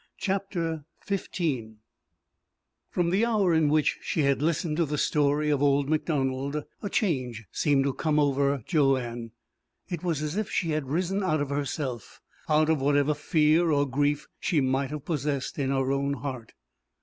CHAPTER XV From the hour in which she had listened to the story of old MacDonald a change seemed to have come over Joanne. It was as if she had risen out of herself, out of whatever fear or grief she might have possessed in her own heart.